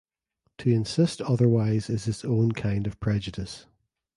To insist otherwise is its own kind of prejudice.